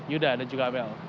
yudha dan juga amel